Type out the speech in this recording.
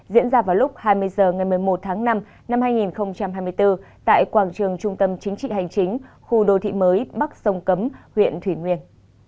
diễn ra vào lúc hai mươi h ngày một mươi một tháng năm năm hai nghìn hai mươi bốn tại quảng trường trung tâm chính trị hành chính khu đô thị mới bắc sông cấm huyện thủy nguyên